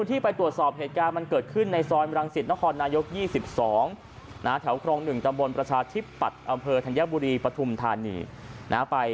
ที่ไม่ได้ใส่แจ็คเก็ตแล้วนะทะเลาะกันตีกันต่อยกันอยู่เนี่ย